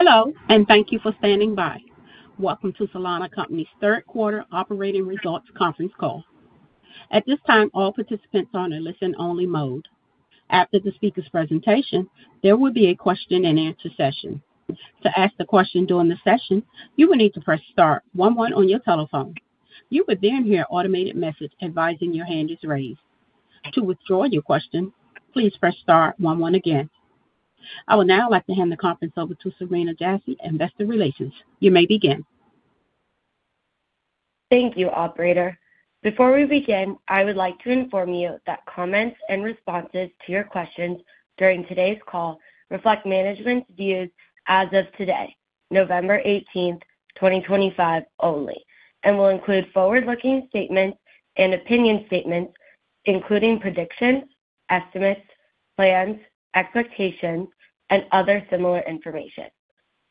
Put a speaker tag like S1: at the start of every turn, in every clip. S1: Hello, and thank you for standing by. Welcome to Solana Company's Third Quarter Operating Results Conference Call. At this time, all participants are in a listen-only mode. After the speaker's presentation, there will be a Question-and-Answer session. To ask a question during the session, you will need to press Star one one on your telephone. You will then hear an automated message advising your hand is raised. To withdraw your question, please press star one one again. I would now like to hand the conference over to Serena Jassy, Investor Relations. You may begin.
S2: Thank you, Operator. Before we begin, I would like to inform you that comments and responses to your questions during today's call reflect management's views as of today, November 18th, 2025 only, and will include forward-looking statements and opinion statements, including predictions, estimates, plans, expectations, and other similar information.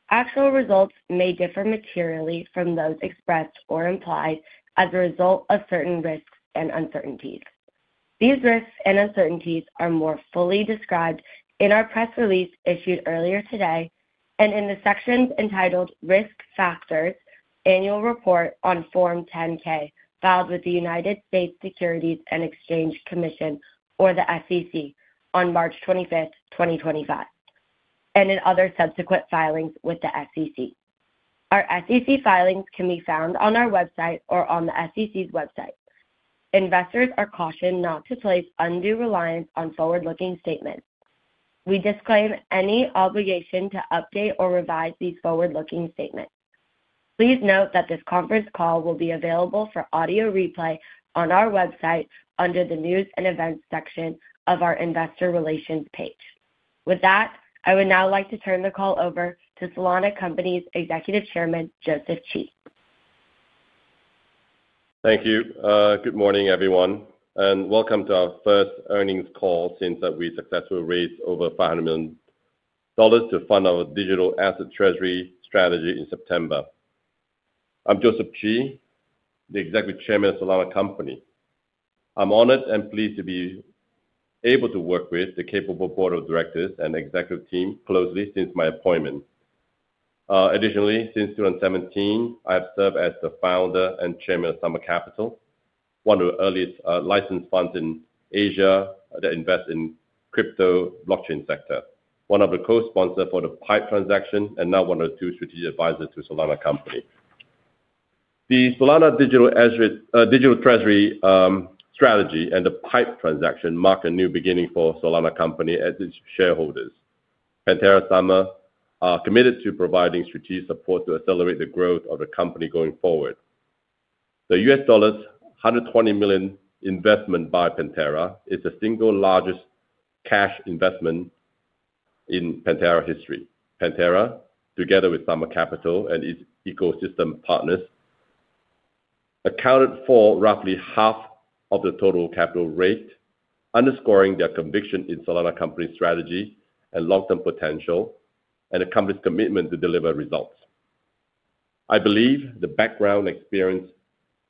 S2: Actual results may differ materially from those expressed or implied as a result of certain risks and uncertainties. These risks and uncertainties are more fully described in our press release issued earlier today and in the sections entitled Risk Factors, Annual Report on Form 10-K filed with the United States, Securities and Exchange Commission, or the SEC, on March 25th, 2025, and in other subsequent filings with the SEC. Our SEC filings can be found on our website or on the SEC's website. Investors are cautioned not to place undue reliance on forward-looking statements. We disclaim any obligation to update or revise these forward-looking statements. Please note that this conference call will be available for audio replay on our website under the News and Events section of our Investor Relations page. With that, I would now like to turn the call over to Solana Company's Executive Chairman, Joseph Chee.
S3: Thank you. Good morning, everyone, and welcome to our first earnings call since we successfully raised over $500 million to fund our digital asset treasury strategy in September. I'm Joseph Chee, the Executive Chairman of Solana Company. I'm honored and pleased to be able to work with the capable board of directors and executive team closely since my appointment. Additionally, since 2017, I have served as the founder and chairman of Summer Capital, one of the earliest licensed funds in Asia that invests in the crypto blockchain sector, one of the co-sponsors for the PIPE transaction, and now one of the two strategic advisors to Solana Company. The Solana digital treasury strategy and the PIPE transaction mark a new beginning for Solana Company and its shareholders. Pantera and Summer are committed to providing strategic support to accelerate the growth of the company going forward. The $120 million investment by Pantera is the single largest cash investment in Pantera history. Pantera, together with Summer Capital and its ecosystem partners, accounted for roughly half of the total capital raised, underscoring their conviction in Solana Company's strategy and long-term potential and the company's commitment to deliver results. I believe the background experience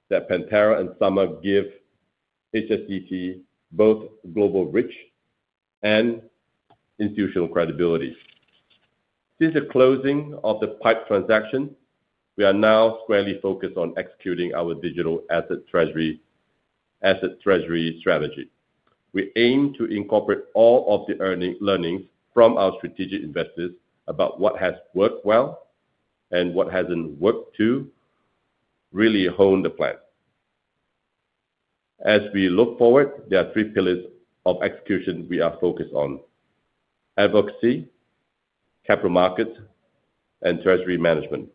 S3: that Pantera and Summer give HSDT both global reach and institutional credibility. Since the closing of the PIPE transaction, we are now squarely focused on executing our digital asset treasury strategy. We aim to incorporate all of the learnings from our strategic investors about what has worked well and what has not worked to really hone the plan. As we look forward, there are three pillars of execution we are focused on: advocacy, capital markets, and treasury management.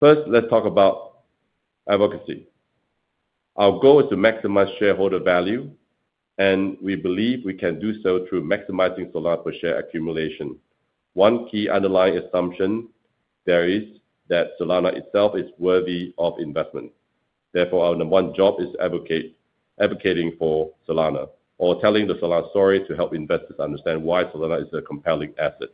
S3: First, let's talk about advocacy. Our goal is to maximize shareholder value, and we believe we can do so through maximizing Solana per share accumulation. One key underlying assumption there is that Solana itself is worthy of investment. Therefore, our number one job is advocating for Solana or telling the Solana story to help investors understand why Solana is a compelling asset.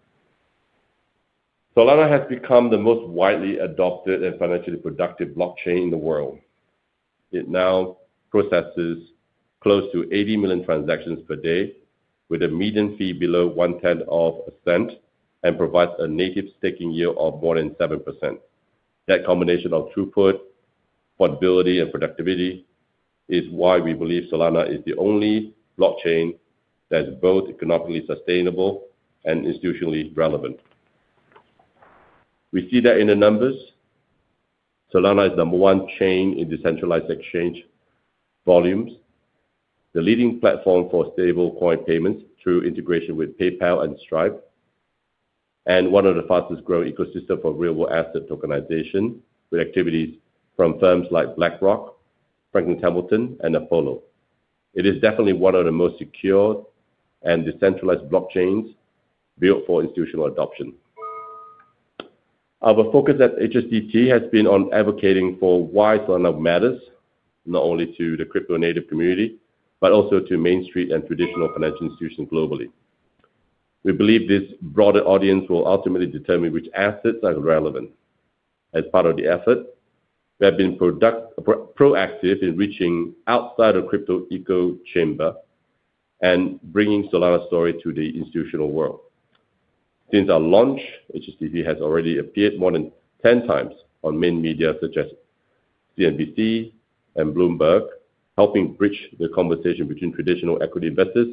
S3: Solana has become the most widely adopted and financially productive blockchain in the world. It now processes close to 80 million transactions per day with a median fee below one tenth of a cent and provides a native staking yield of more than 7%. That combination of throughput, portability, and productivity is why we believe Solana is the only blockchain that is both economically sustainable and institutionally relevant. We see that in the numbers. Solana is the number one chain in decentralized exchange volumes, the leading platform for stablecoin payments through integration with PayPal and Stripe, and one of the fastest-growing ecosystems for real-world asset tokenization with activities from firms like BlackRock, Franklin Templeton, and Apollo. It is definitely one of the most secure and decentralized blockchains built for institutional adoption. Our focus at Solana Company has been on advocating for why Solana matters, not only to the crypto-native community but also to Main Street and traditional financial institutions globally. We believe this broader audience will ultimately determine which assets are relevant. As part of the effort, we have been proactive in reaching outside the crypto echo chamber and bringing Solana's story to the institutional world. Since our launch, HSDT has already appeared more than 10 times on main media such as CNBC and Bloomberg, helping bridge the conversation between traditional equity investors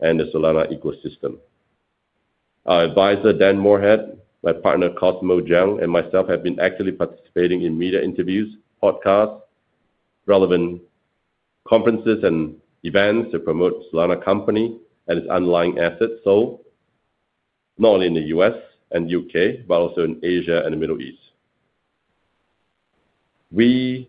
S3: and the Solana ecosystem. Our advisor, Dan Moorhead, my partner, Cosmo Jiang, and myself have been actively participating in media interviews, podcasts, relevant conferences, and events to promote Solana Company and its underlying asset SOL, not only in the U.S. and U.K., but also in Asia and the Middle East. We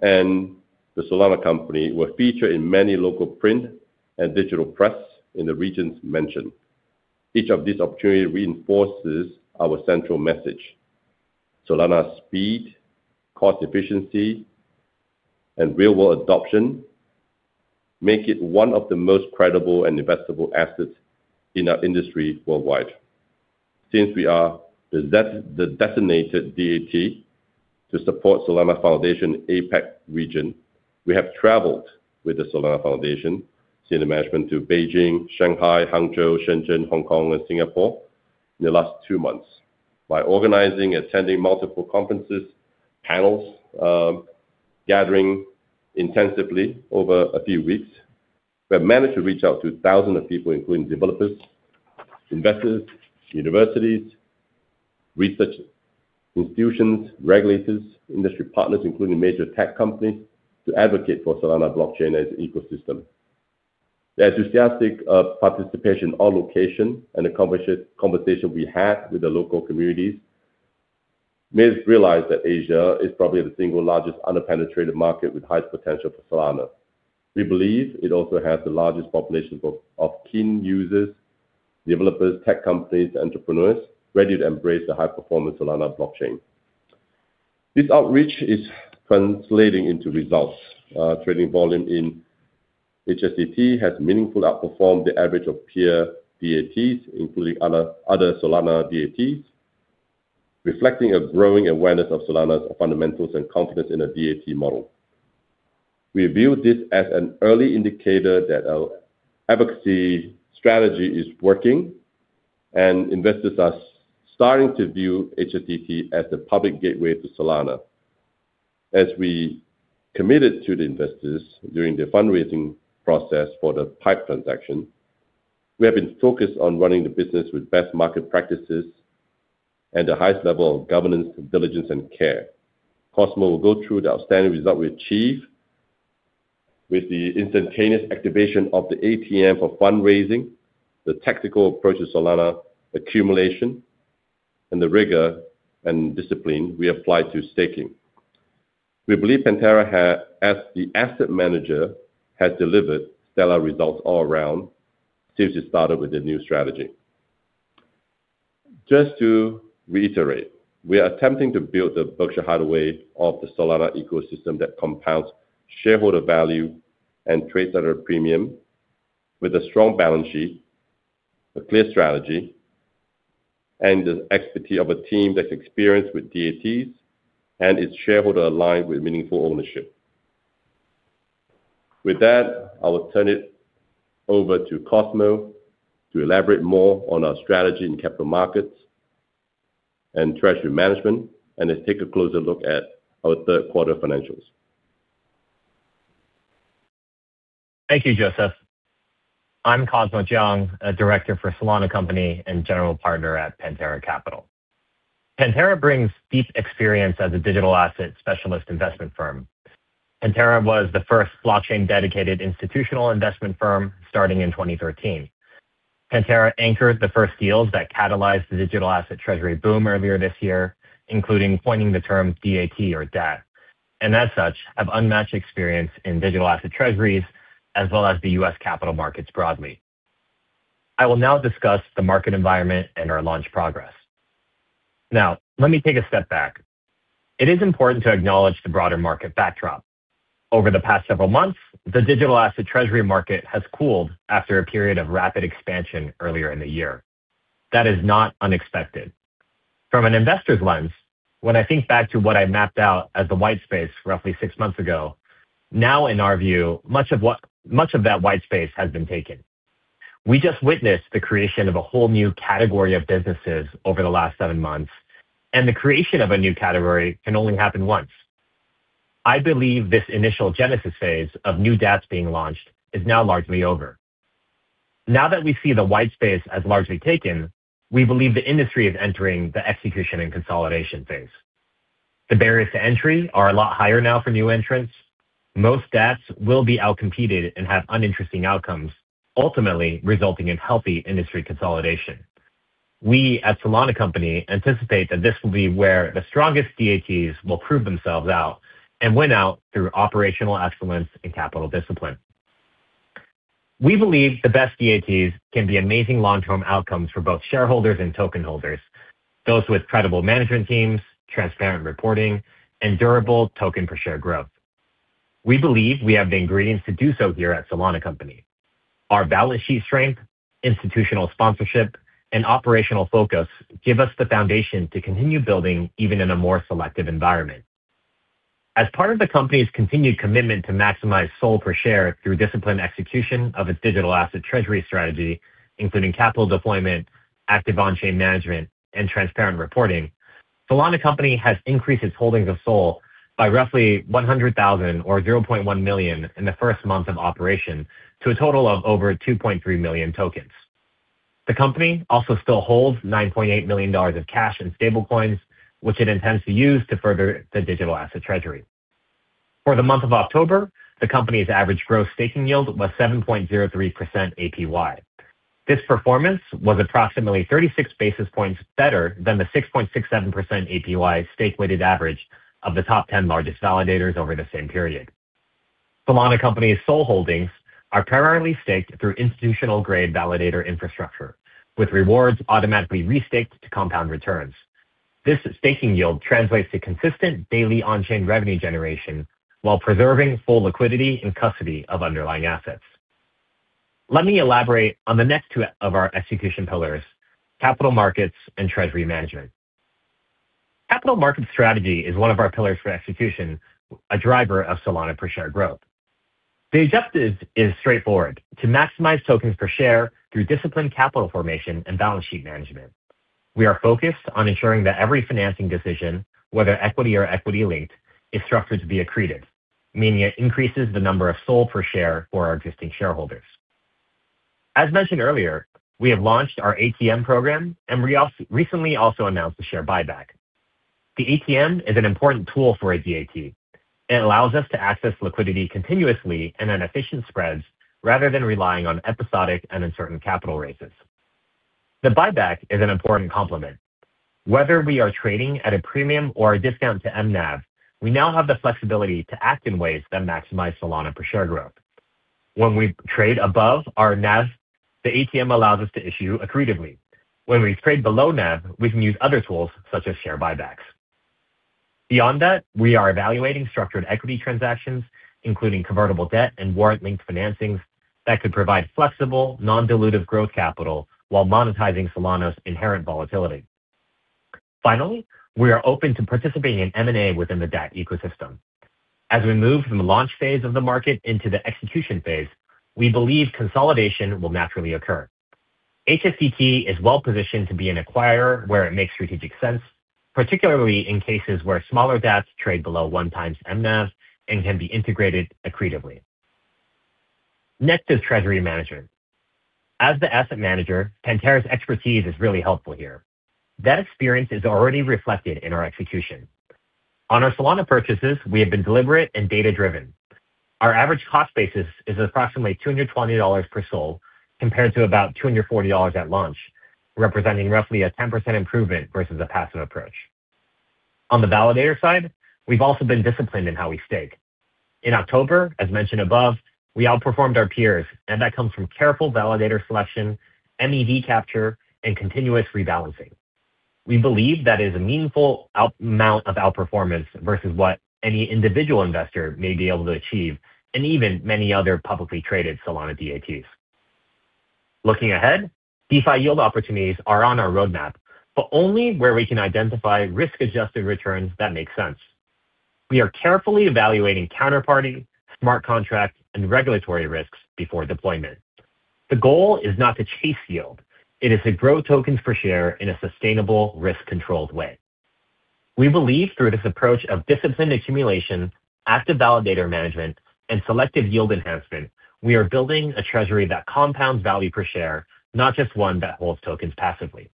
S3: and the Solana Company were featured in many local print and digital press in the regions mentioned. Each of these opportunities reinforces our central message. Solana's speed, cost efficiency, and real-world adoption make it one of the most credible and investable assets in our industry worldwide. Since we are the designated DAT to support Solana Foundation APAC region, we have traveled with the Solana Foundation senior management to Beijing, Shanghai, Hangzhou, Shenzhen, Hong Kong, and Singapore in the last two months. By organizing and attending multiple conferences, panels, gathering intensively over a few weeks, we have managed to reach out to thousands of people, including developers, investors, universities, research institutions, regulators, industry partners, including major tech companies, to advocate for Solana blockchain as an ecosystem. The enthusiastic participation on location and the conversation we had with the local communities made us realize that Asia is probably the single largest under-penetrated market with the highest potential for Solana. We believe it also has the largest population of keen users, developers, tech companies, and entrepreneurs ready to embrace the high-performance Solana blockchain. This outreach is translating into results. Trading volume in HSDC has meaningfully outperformed the average of peer DATs, including other Solana DATs, reflecting a growing awareness of Solana's fundamentals and confidence in a DAT model. We view this as an early indicator that our advocacy strategy is working, and investors are starting to view HSDC as the public gateway to Solana. As we committed to the investors during the fundraising process for the PIPE transaction, we have been focused on running the business with best market practices and the highest level of governance, diligence, and care. Cosmo will go through the outstanding result we achieved with the instantaneous activation of the ATM for fundraising, the tactical approach to Solana accumulation, and the rigor and discipline we applied to staking. We believe Pantera, as the asset manager, has delivered stellar results all around since we started with the new strategy. Just to reiterate, we are attempting to build the Berkshire Hathaway of the Solana ecosystem that compounds shareholder value and trade-centered premium with a strong balance sheet, a clear strategy, and the expertise of a team that's experienced with DATs and is shareholder-aligned with meaningful ownership. With that, I will turn it over to Cosmo to elaborate more on our strategy in capital markets and treasury management and take a closer look at our third quarter financials.
S4: Thank you, Joseph. I'm Cosmo Jiang, a director for Solana Company and general partner at Pantera Capital. Pantera brings deep experience as a digital asset specialist investment firm. Pantera was the first blockchain-dedicated institutional investment firm starting in 2013. Pantera anchored the first deals that catalyzed the digital asset treasury boom earlier this year, including coining the term DAT or DAT, and as such, have unmatched experience in digital asset treasuries as well as the U.S. capital markets broadly. I will now discuss the market environment and our launch progress. Now, let me take a step back. It is important to acknowledge the broader market backdrop. Over the past several months, the digital asset treasury market has cooled after a period of rapid expansion earlier in the year. That is not unexpected. From an investor's lens, when I think back to what I mapped out as the white space roughly six months ago, now, in our view, much of that white space has been taken. We just witnessed the creation of a whole new category of businesses over the last seven months, and the creation of a new category can only happen once. I believe this initial genesis phase of new DATs being launched is now largely over. Now that we see the white space as largely taken, we believe the industry is entering the execution and consolidation phase. The barriers to entry are a lot higher now for new entrants. Most DATs will be outcompeted and have uninteresting outcomes, ultimately resulting in healthy industry consolidation. We, at Solana Company, anticipate that this will be where the strongest DATs will prove themselves out and win out through operational excellence and capital discipline. We believe the best DATs can be amazing long-term outcomes for both shareholders and token holders, those with credible management teams, transparent reporting, and durable token-per-share growth. We believe we have the ingredients to do so here at Solana Company. Our balance sheet strength, institutional sponsorship, and operational focus give us the foundation to continue building even in a more selective environment. As part of the company's continued commitment to maximize SOL per share through disciplined execution of its digital asset treasury strategy, including capital deployment, active on-chain management, and transparent reporting, Solana Company has increased its holdings of SOL by roughly $100,000 or $0.1 million in the first month of operation to a total of over 2.3 million tokens. The company also still holds $9.8 million of cash and stablecoins, which it intends to use to further the digital asset treasury. For the month of October, the company's average gross staking yield was 7.03% APY. This performance was approximately 36 basis points better than the 6.67% APY stake-weighted average of the top 10 largest validators over the same period. Solana Company's SOL holdings are primarily staked through institutional-grade validator infrastructure, with rewards automatically re-staked to compound returns. This staking yield translates to consistent daily on-chain revenue generation while preserving full liquidity and custody of underlying assets. Let me elaborate on the next two of our execution pillars: capital markets and treasury management. Capital markets strategy is one of our pillars for execution, a driver of Solana per share growth. The objective is straightforward: to maximize tokens per share through disciplined capital formation and balance sheet management. We are focused on ensuring that every financing decision, whether equity or equity-linked, is structured to be accretive, meaning it increases the number of SOL per share for our existing shareholders. As mentioned earlier, we have launched our ATM program, and we recently also announced the share buyback. The ATM is an important tool for a DAT. It allows us to access liquidity continuously and at efficient spreads rather than relying on episodic and uncertain capital raises. The buyback is an important complement. Whether we are trading at a premium or a discount to mNAV, we now have the flexibility to act in ways that maximize Solana per share growth. When we trade above our NAV, the ATM allows us to issue accretively. When we trade below NAV, we can use other tools such as share buybacks. Beyond that, we are evaluating structured equity transactions, including convertible debt and warrant-linked financings that could provide flexible, non-dilutive growth capital while monetizing Solana's inherent volatility. Finally, we are open to participating in M&A within the DAT ecosystem. As we move from the launch phase of the market into the execution phase, we believe consolidation will naturally occur. HSDT is well-positioned to be an acquirer where it makes strategic sense, particularly in cases where smaller DATs trade below one times mNAV and can be integrated accretively. Next is treasury management. As the asset manager, Pantera's expertise is really helpful here. That experience is already reflected in our execution. On our Solana purchases, we have been deliberate and data-driven. Our average cost basis is approximately $220 per SOL compared to about $240 at launch, representing roughly a 10% improvement versus a passive approach. On the validator side, we've also been disciplined in how we stake. In October, as mentioned above, we outperformed our peers, and that comes from careful validator selection, MEV capture, and continuous rebalancing. We believe that is a meaningful amount of outperformance versus what any individual investor may be able to achieve and even many other publicly traded Solana DATs. Looking ahead, DeFi yield opportunities are on our roadmap, but only where we can identify risk-adjusted returns that make sense. We are carefully evaluating counterparty, smart contract, and regulatory risks before deployment. The goal is not to chase yield. It is to grow tokens per share in a sustainable, risk-controlled way. We believe through this approach of disciplined accumulation, active validator management, and selective yield enhancement, we are building a treasury that compounds value per share, not just one that holds tokens passively.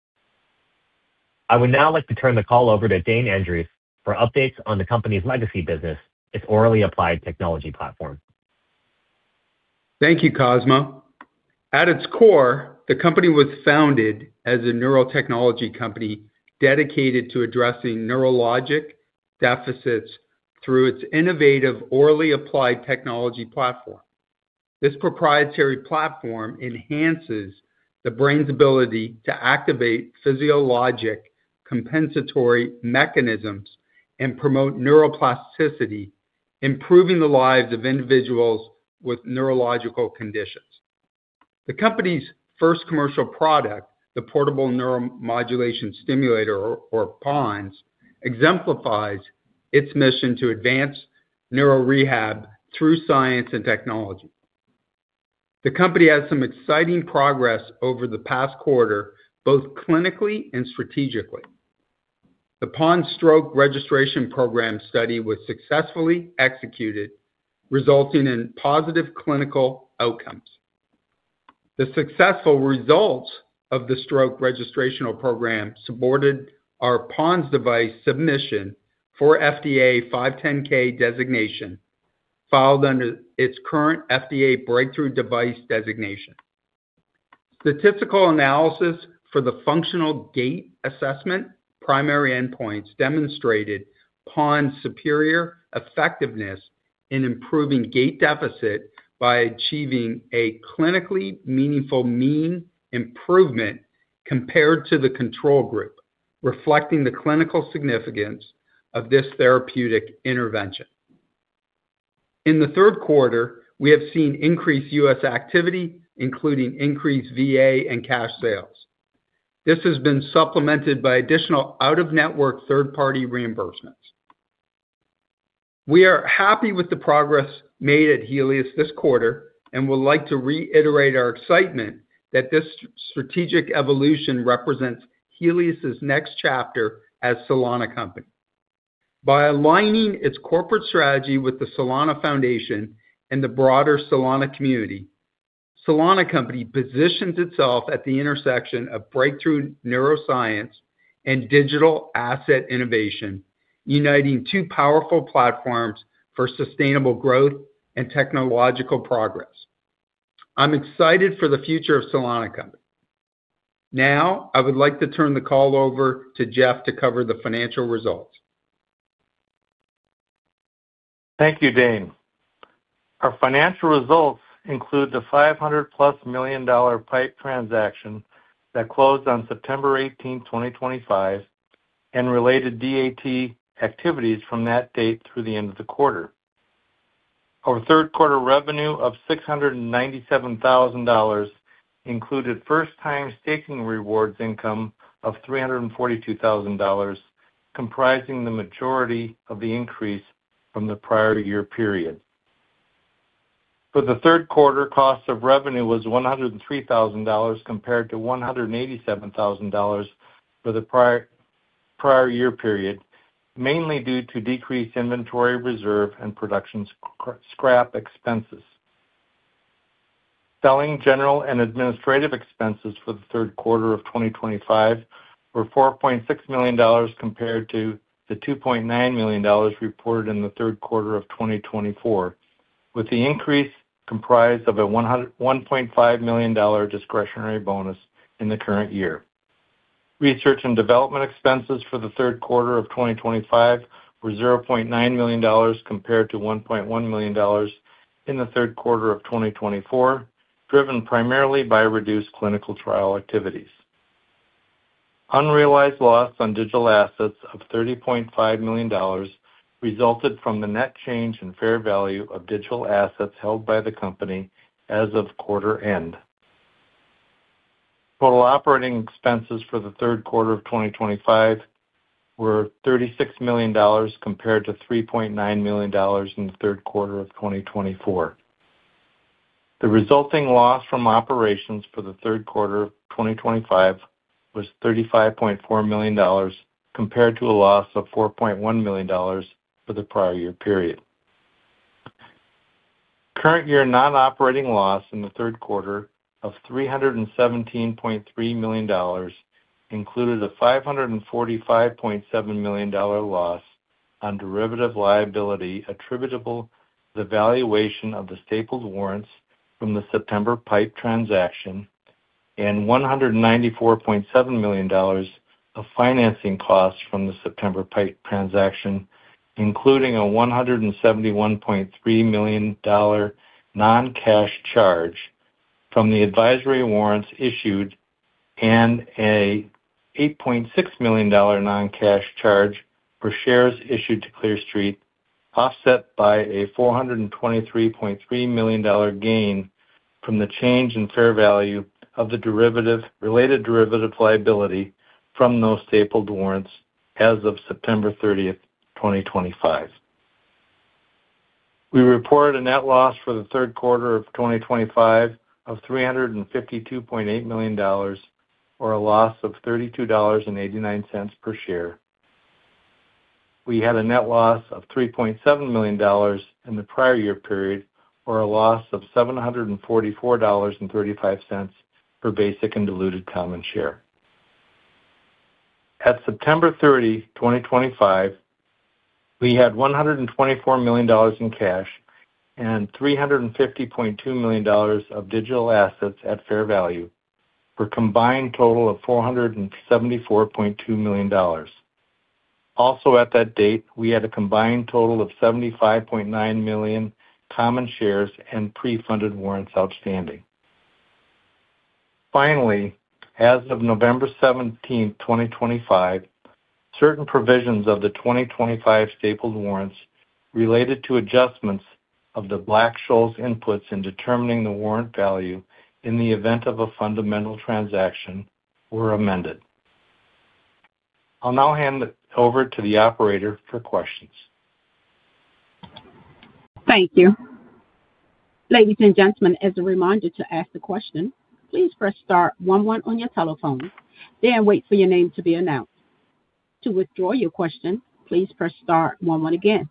S4: I would now like to turn the call over to Dane Andreeff for updates on the company's legacy business, its orally applied technology platform.
S5: Thank you, Cosmo. At its core, the company was founded as a neurotechnology company dedicated to addressing neurologic deficits through its innovative orally applied technology platform. This proprietary platform enhances the brain's ability to activate physiologic compensatory mechanisms and promote neuroplasticity, improving the lives of individuals with neurological conditions. The company's first commercial product, the Portable Neuromodulation Stimulator, or PoNS, exemplifies its mission to advance neurorehab through science and technology. The company has some exciting progress over the past quarter, both clinically and strategically. The PoNS stroke registration program study was successfully executed, resulting in positive clinical outcomes. The successful results of the stroke registrational program supported our PoNS device submission for FDA 510(k) designation filed under its current FDA Breakthrough Device Designation. Statistical analysis for the functional gait assessment primary endpoints demonstrated PoNS' superior effectiveness in improving gait deficit by achieving a clinically meaningful mean improvement compared to the control group, reflecting the clinical significance of this therapeutic intervention. In the third quarter, we have seen increased U.S. activity, including increased VA and cash sales. This has been supplemented by additional out-of-network third-party reimbursements. We are happy with the progress made at HELIOS this quarter and would like to reiterate our excitement that this strategic evolution represents HELIOS' next chapter as Solana Company. By aligning its corporate strategy with the Solana Foundation and the broader Solana community, Solana Company positions itself at the intersection of breakthrough neuroscience and digital asset innovation, uniting two powerful platforms for sustainable growth and technological progress. I'm excited for the future of Solana Company. Now, I would like to turn the call over to Jeff to cover the financial results.
S6: Thank you, Dane. Our financial results include the $500 million-plus PIPE transaction that closed on September 18, 2025, and related DAT activities from that date through the end of the quarter. Our third quarter revenue of $697,000 included first-time staking rewards income of $342,000, comprising the majority of the increase from the prior year period. For the third quarter, cost of revenue was $103,000 compared to $187,000 for the prior year period, mainly due to decreased inventory reserve and production scrap expenses. Selling, general and administrative expenses for the third quarter of 2025 were $4.6 million compared to the $2.9 million reported in the third quarter of 2024, with the increase comprised of a $1.5 million discretionary bonus in the current year. Research and development expenses for the third quarter of 2025 were $0.9 million compared to $1.1 million in the third quarter of 2024, driven primarily by reduced clinical trial activities. Unrealized loss on digital assets of $30.5 million resulted from the net change in fair value of digital assets held by the company as of quarter end. Total operating expenses for the third quarter of 2025 were $36 million compared to $3.9 million in the third quarter of 2024. The resulting loss from operations for the third quarter of 2025 was $35.4 million compared to a loss of $4.1 million for the prior year period. Current year non-operating loss in the third quarter of $317.3 million included a $545.7 million loss on derivative liability attributable to the valuation of the stapled warrants from the September PIPE transaction and $194.7 million of financing costs from the September PIPE transaction, including a $171.3 million non-cash charge from the advisory warrants issued and an $8.6 million non-cash charge for shares issued to Clear Street, offset by a $423.3 million gain from the change in fair value of the related derivative liability from those stapled warrants as of September 30th, 2025. We report a net loss for the third quarter of 2025 of $352.8 million, or a loss of $32.89 per share. We had a net loss of $3.7 million in the prior year period, or a loss of $744.35 per basic and diluted common share. At September 30, 2025, we had $124 million in cash and $350.2 million of digital assets at fair value for a combined total of $474.2 million. Also at that date, we had a combined total of $75.9 million common shares and pre-funded warrants outstanding. Finally, as of November 17th, 2025, certain provisions of the 2025 stapled warrants related to adjustments of the Black-Scholes inputs in determining the warrant value in the event of a fundamental transaction were amended. I'll now hand it over to the operator for questions.
S1: Thank you. Ladies and gentlemen, as a reminder to ask the question, please press star 11 on your telephone, then wait for your name to be announced. To withdraw your question, please press star one one again.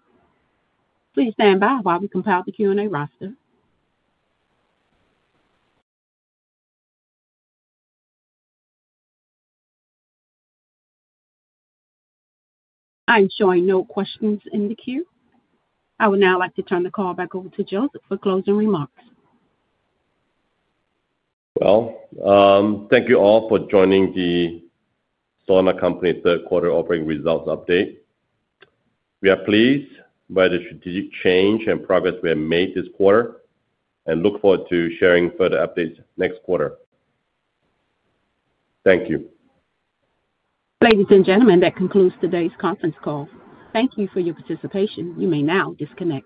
S1: Please stand by while we compile the Q&A roster. I'm showing no questions in the queue. I would now like to turn the call back over to Joseph for closing remarks.
S3: Thank you all for joining the Solana Company third quarter operating results update. We are pleased by the strategic change and progress we have made this quarter and look forward to sharing further updates next quarter. Thank you.
S1: Ladies and gentlemen, that concludes today's conference call. Thank you for your participation. You may now disconnect.